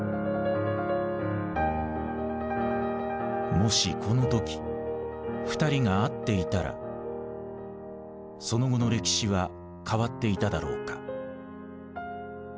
もしこの時２人が会っていたらその後の歴史は変わっていただろうか。